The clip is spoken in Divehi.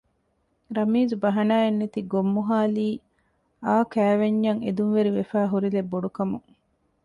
ރަމީޒު ބަހަނާއެއް ނެތި ގޮށް މޮހައިލީ އައު ކައިވެންޏަށް އެދުންވެރިވެފައި ހުރިލެއް ބޮޑުކަމުން